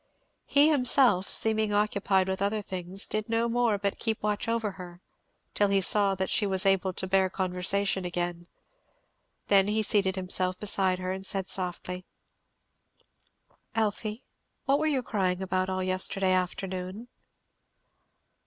He himself, seeming occupied with other things, did no more but keep watch over her, till he saw that she was able to bear conversation again. Then he seated himself beside her and said softly, [Illustration: Then he seated himself beside her.] "Elfie, what were you crying about all yesterday afternoon?"